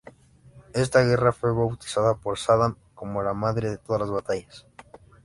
Esta guerra fue bautizada por Sadam como ""la madre de todas las batallas"".